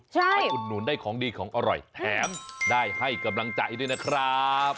ไปอุดหนุนได้ของดีของอร่อยแถมได้ให้กำลังใจด้วยนะครับ